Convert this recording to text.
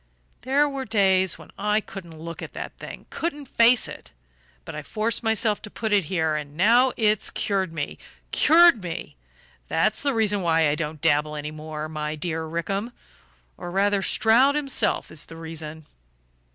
"There were days when I couldn't look at that thing couldn't face it. But I forced myself to put it here; and now it's cured me cured me. That's the reason why I don't dabble any more, my dear Rickham; or rather Stroud himself is the reason."